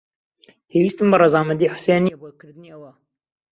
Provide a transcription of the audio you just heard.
پێویستیم بە ڕەزامەندیی حوسێن نییە بۆ کردنی ئەوە.